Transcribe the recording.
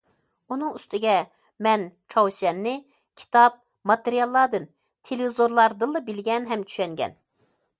ئۇنىڭ ئۈستىگە مەن چاۋشيەننى كىتاب، ماتېرىياللاردىن، تېلېۋىزورلاردىنلا بىلگەن ھەم چۈشەنگەن.